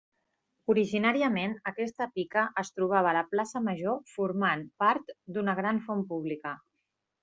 Originàriament aquesta pica es trobava a la plaça major formant part d'una gran font pública.